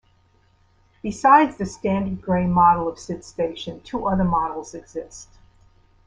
Besides the standard grey model of SidStation, two other models exist.